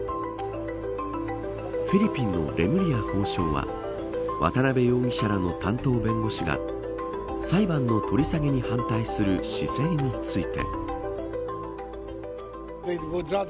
フィリピンのレムリヤ法相は渡辺容疑者らの担当弁護士が裁判の取り下げに反対する姿勢について。